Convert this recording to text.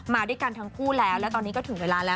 มาด้วยกันทั้งคู่แล้วแล้วตอนนี้ก็ถึงเวลาแล้ว